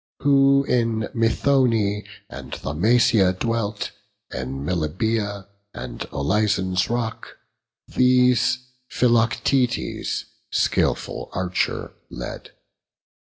Who in Methone and Thaumacia dwelt, In Meliboea and Olizon's rock; These Philoctetes, skilful archer, led.